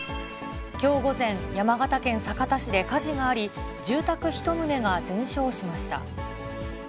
きょう午前、山形県酒田市で火事があり、住宅１棟が全焼しました。